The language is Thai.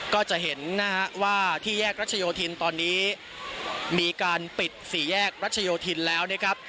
ก็จะเห็นนะฮะว่าที่แยกรัชโยธินตอนนี้มีการปิดสี่แยกรัชโยธินแล้วนะครับ